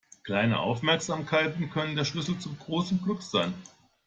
Kleine Aufmerksamkeiten können der Schlüssel zum großen Glück sein.